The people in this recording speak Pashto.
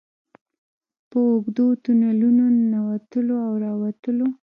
په اوږدو تونلونو ننوتلو او راوتلو.